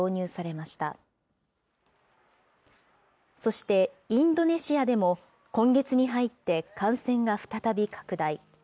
そして、インドネシアでも今月に入って感染が再び拡大。